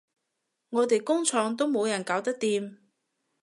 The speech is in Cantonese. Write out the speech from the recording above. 我哋工廠都冇人搞得掂